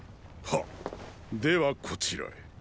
ハではこちらへ。